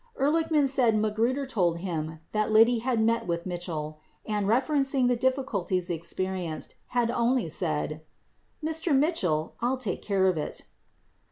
Ehrlichman said Magruder told him that Liddy had met with Mitchell and, referencing the difficulties experi enced, had only said "Mr. Mitchell, I'll take care of it."